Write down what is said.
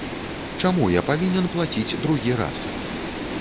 Чаму я павінен плаціць другі раз?